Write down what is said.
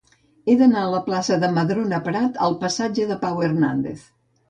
He d'anar de la plaça de Madrona Prat al passatge de Pau Hernández.